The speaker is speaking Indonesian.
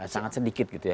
sangat sedikit gitu ya